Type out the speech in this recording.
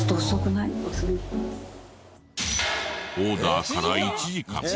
オーダーから１時間。